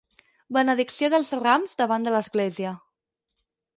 Benedicció del Rams davant de l'església.